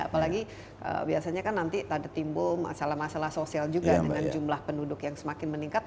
apalagi biasanya kan nanti ada timbul masalah masalah sosial juga dengan jumlah penduduk yang semakin meningkat